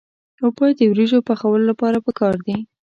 اوبه د وریجو پخولو لپاره پکار دي.